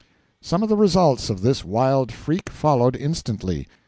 Some of the results of this wild freak followed instantly.